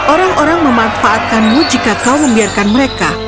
orang orang memanfaatkanmu jika kau membiarkan mereka